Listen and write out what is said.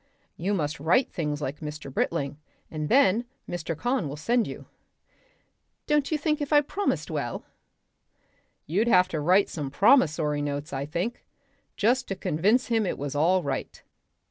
"You must write things like Mr. Britling and then Mr. Kahn will send you." "Don't you think if I promised well?" "You'd have to write some promissory notes, I think just to convince him it was all right."